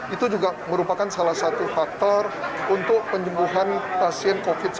itu juga merupakan salah satu faktor untuk penyembuhan pasien covid sembilan belas